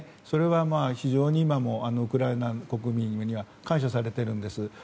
それは非常に今もウクライナ国民には感謝されているんです。